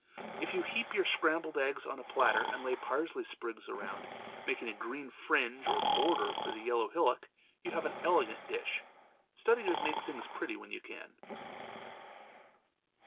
If you heap your scrambled eggs on a platter and lay parsley sprigs around, making a green fringe or border for the yellow hillock, you have an elegant dish. Study to make plain things pretty when you can.